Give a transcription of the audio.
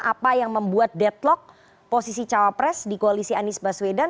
apa yang membuat deadlock posisi cawapres di koalisi anies baswedan